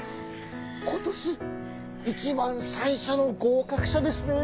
今年一番最初の合格者ですね！